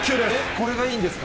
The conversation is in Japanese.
これがいいんですか。